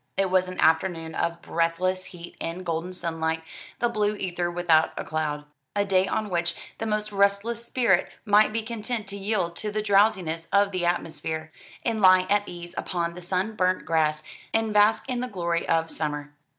It was an afternoon of breathless heat and golden sunlight, the blue ether without a cloud a day on which the most restless spirit might be content to yield to the drowsiness of the atmosphere, and lie at ease upon the sunburnt grass and bask in the glory of summer.